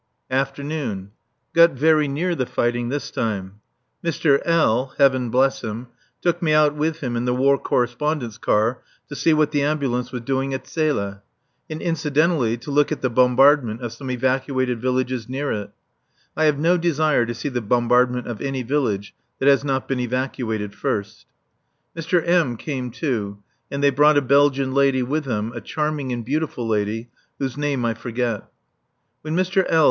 [Afternoon.] Got very near the fighting this time. Mr. L. (Heaven bless him!) took me out with him in the War Correspondents' car to see what the Ambulance was doing at Zele, and, incidentally, to look at the bombardment of some evacuated villages near it (I have no desire to see the bombardment of any village that has not been evacuated first). Mr. M. came too, and they brought a Belgian lady with them, a charming and beautiful lady, whose name I forget. When Mr. L.